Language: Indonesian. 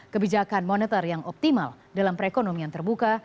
kebijakan moneter yang optimal dalam perekonomian terbuka